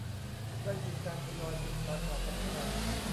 ได้มีการทยอยปิดสาขาสำคัญ